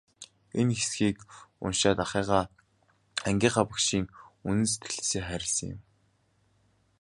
Би энэ хэсгийг уншаад ахыгаа, ангийнхаа багшийг үнэн сэтгэлээсээ хайрласан юм.